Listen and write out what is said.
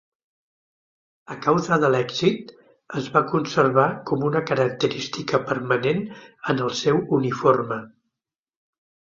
A causa de l'èxit, es va conservar com una característica permanent en el seu uniforme.